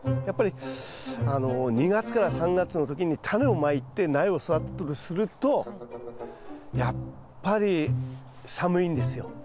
やっぱり２月から３月の時にタネをまいて苗を育てるとするとやっぱり寒いんですよ。